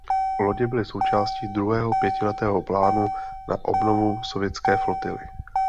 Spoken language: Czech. Lodě byly součástí druhého pětiletého plánu na obnovu sovětské flotily.